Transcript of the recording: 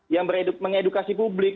yang mengedukasi publik